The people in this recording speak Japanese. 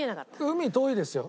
海遠いですよ